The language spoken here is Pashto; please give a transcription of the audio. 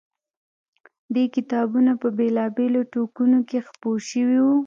دې کتابونه په بېلا بېلو ټوکونوکې خپور شوی و.